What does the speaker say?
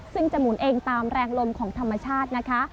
ซึ่งจะหมุนเองตามแรงลมของธรรมชาตินะคะ